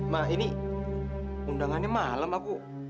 mak ini undangannya malam aku